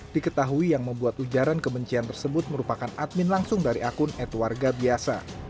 diketahui yang membuat ujaran kebencian tersebut merupakan admin langsung dari akun ad warga biasa